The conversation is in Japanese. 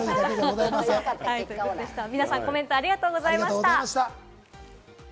皆さん、コメントありがとうございました！